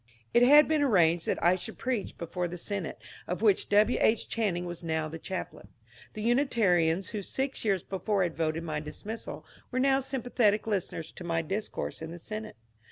It had been arranged that I should preach before the Senate, of which W. H. Channing was now the chaplain. The Unita rians who six years before had voted my dismissal were now sympathetic listeners to my discourse in the Senate.